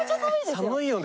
寒いよね。